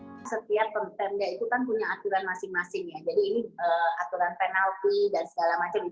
setiap tempat yang diikuti punya aturan masing masing